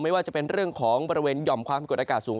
ว่าจะเป็นเรื่องของบริเวณหย่อมความกดอากาศสูง